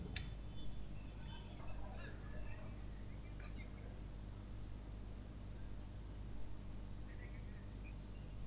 tiếng nổ khủng khiếp phát ra cách bốn năm km vẫn có thể nghe thấy rõ bước đầu xác định có ít nhất bốn người đã tử vong